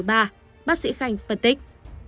bác sĩ khanh phân tích